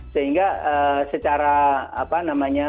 sehingga secara apa namanya